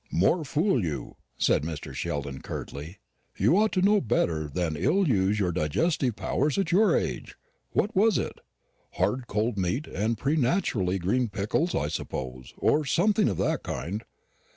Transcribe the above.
"More fool you," said Mr. Sheldon curtly; "you ought to know better than to ill use your digestive powers at your age. What was it? Hard cold meat and preternaturally green pickles, I suppose; or something of that kind."